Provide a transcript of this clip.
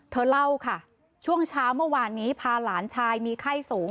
เธอเล่าค่ะช่วงเช้าเมื่อวานนี้พาหลานชายมีไข้สูง